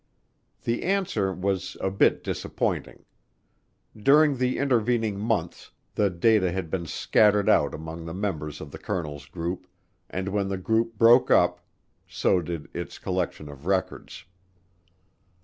The answer was a bit disappointing. During the intervening months the data had been scattered out among the members of the colonel's group, and when the group broke up, so did its collection of records.